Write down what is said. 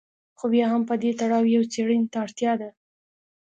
خو بیا هم په دې تړاو یوې څېړنې ته اړتیا ده.